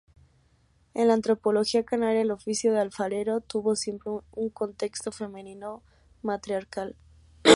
En la antropología canaria, el oficio de alfarero tuvo siempre un contexto femenino-matriarcal.